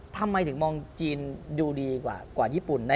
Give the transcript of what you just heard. ทำไมถึงมองจีนดูดีกว่าญี่ปุ่น